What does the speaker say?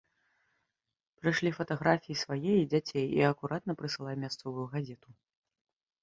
Прышлі фатаграфіі свае і дзяцей і акуратна прысылай мясцовую газету.